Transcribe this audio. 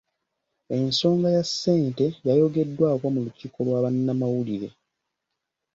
Ensonga ya ssente yayogeddwako mu lukiiko lwa bannawulire.